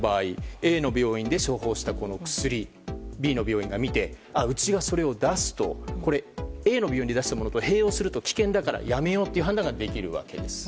Ａの病院で処方した薬をＢの病院を見てうちがそれを出すとこれ、Ａの病院で出したものと併用すると危険だからやめようという判断ができるわけです。